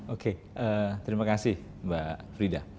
oke terima kasih mbak frida